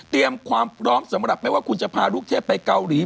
ความพร้อมสำหรับไม่ว่าคุณจะพาลูกเทพไปเกาหลี